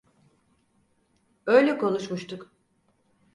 Öyle konuşmuştuk!